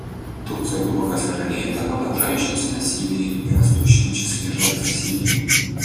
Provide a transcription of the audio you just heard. Турция глубоко сожалеет о продолжающемся насилии и растущем числе жертв в Сирии.